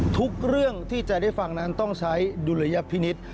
ทุกเรื่องที่จะได้ฟังนั้นต้องใช้ดุลยพินิษฐ์